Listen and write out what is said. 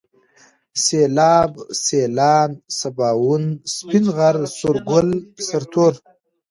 سيلاب ، سيلان ، سباوون ، سپين غر ، سورگل ، سرتور